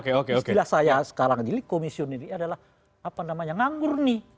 istilah saya sekarang jadi komisioner ini adalah apa namanya nganggur nih